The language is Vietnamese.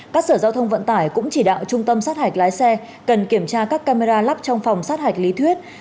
các sở giao thông vận tải cũng chỉ đạo trung tâm sát hạch lái xe cần kiểm tra các camera lắp trong phòng sát hạch lý thuyết